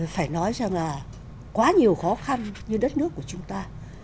phải nói rằng là quá nhiều khó khăn như đất nước của chúng ta